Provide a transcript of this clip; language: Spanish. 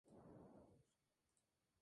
Por la noche, celebra la Misa Pascual.